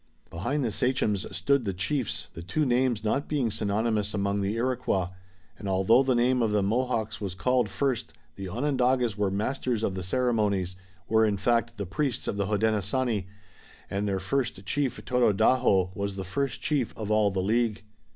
Behind the sachems stood the chiefs, the two names not being synonymous among the Iroquois, and although the name of the Mohawks was called first the Onondagas were masters of the ceremonies, were, in fact, the priests of the Hodenosaunee, and their first chief, Tododaho, was the first chief of all the League.